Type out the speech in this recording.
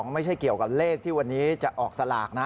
ไม่ใช่เกี่ยวกับเลขที่วันนี้จะออกสลากนะ